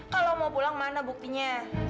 kalau mau pulang mana buktinya